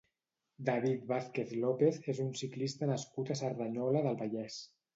David Vázquez López és un ciclista nascut a Cerdanyola del Vallès.